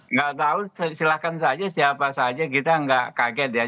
nggak tahu silahkan saja siapa saja kita nggak kaget ya